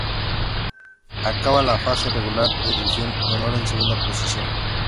Acaba la fase regular de División de Honor en segunda posición.